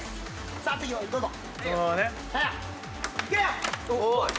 さあ次どうぞ。